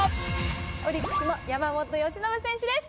オリックスの山本由伸選手です。